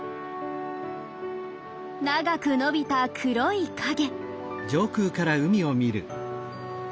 長く伸びた黒い影。